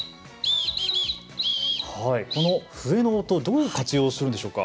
この笛の音どう活用するんでしょうか？